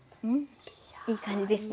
いい感じですね。